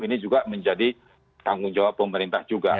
ini juga menjadi tanggung jawab pemerintah juga